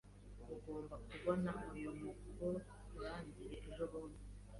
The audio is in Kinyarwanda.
Ugomba kubona uyu mukoro urangiye ejobundi.